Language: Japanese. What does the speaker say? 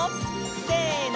せの！